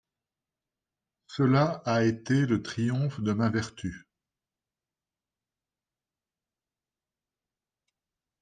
Cela a été le triomphe de ma vertu !